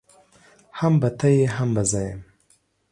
هم به ته يې هم به زه يم.